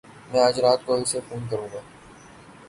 میں اج رات کو اسے فون کروں گا